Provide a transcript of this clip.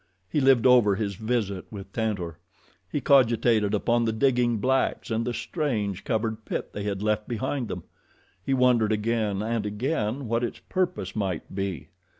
He lived over his visit with Tantor; he cogitated upon the digging blacks and the strange, covered pit they had left behind them. He wondered again and again what its purpose might be.